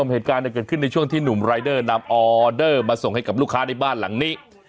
เหตุการณ์เกิดขึ้นในช่วงที่หนุ่มรายเดอร์นำออเดอร์มาส่งให้กับลูกค้าในบ้านหลังนี้